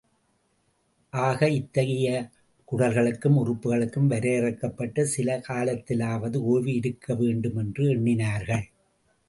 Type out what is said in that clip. ஆக, இத்தகைய குடல்களுக்கும், உறுப்புகளுக்கும் வரையறுக்கப்பட்ட சில காலத்திலாவது ஓய்வு இருக்க வேண்டும் என்று எண்ணினார்கள்.